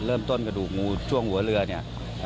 เริ่มต้นกระดูกงูช่วงหัวเรือเนี่ย